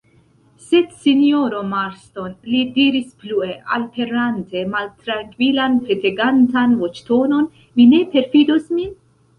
Sed, sinjoro Marston, li diris plue, alprenante maltrankvilan, petegantan voĉtonon, vi ne perfidos min?